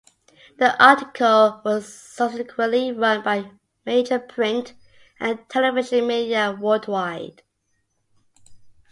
The article was subsequently run by major print and television media worldwide.